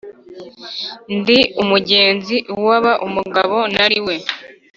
ndi umugenzi uwaba umugabo nari we